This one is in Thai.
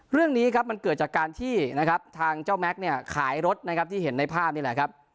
เรื่องนี้เกิดจากการที่ทางเจ้าแม็กซ์ขายรถที่เห็นในภาพนี้แหละครับ